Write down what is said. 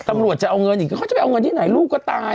ตำรวจจะเอาเงินอีกเขาจะไปเอาเงินที่ไหนลูกก็ตาย